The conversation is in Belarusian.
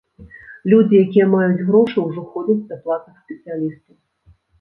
Людзі, якія маюць грошы, ужо ходзяць да платных спецыялістаў.